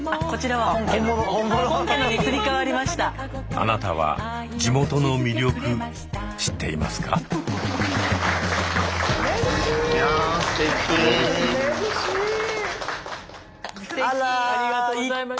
あなたはありがとうございます。